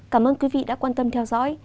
cảm ơn quý vị đã quan tâm theo dõi